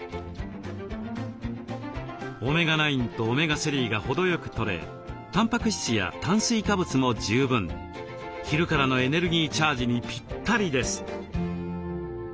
オメガ９とオメガ３が程よくとれたんぱく質や炭水化物も十分昼からのエネルギーチャージにぴったりです。